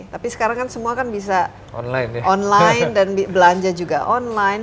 tapi sekarang kan semua kan bisa online dan belanja juga online